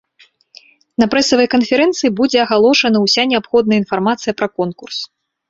На прэсавай канферэнцыі будзе агалошаная ўся неабходная інфармацыя пра конкурс.